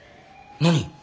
何？